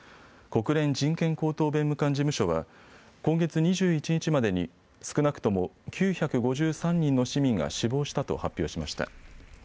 国連人権高等弁務官事務所は今月２１日までに少なくとも９５３人の市民が死亡したと発表しました。